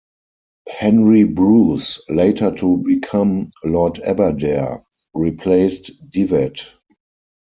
Henry Bruce, later to become Lord Aberdare, replaced Divett.